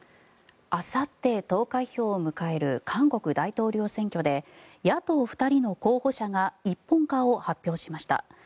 あさって投開票を迎える韓国大統領選挙で野党２人の候補者が一本化を発表しました。